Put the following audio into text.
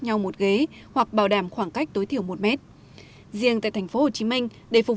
nhau một ghế hoặc bảo đảm khoảng cách tối thiểu một mét riêng tại thành phố hồ chí minh để phục